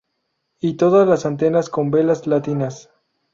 Y todas las antenas con velas latinas.